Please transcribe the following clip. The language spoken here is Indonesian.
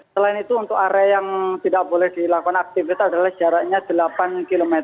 selain itu untuk area yang tidak boleh dilakukan aktivitas adalah jaraknya delapan km